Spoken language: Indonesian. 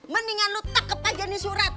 mendingan lu tekep aja nih surat